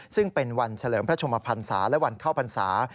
ซึ่งเป็นวันเฉลิมพระชมพันศาและวันเข้าพรรษา